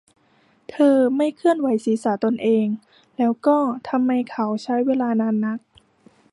เธอไม่เคลื่อนไหวศีรษะตนเอง แล้วก็ ทำไมเขาใช้เวลานานนัก